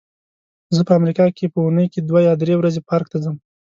زه په امریکا کې په اوونۍ کې دوه یا درې ورځې پارک ته ځم.